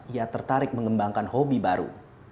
ia tertarik mengembangkan hobi baru